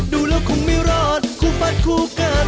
ดูแล้วคงไม่รอดคู่มั่นคู่กัน